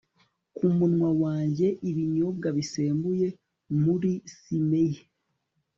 Ku munwa wanjye ibinyobwa bisembuye muri sime ye